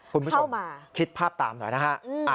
คุณผู้ชมคิดภาพตามหน่อยนะฮะ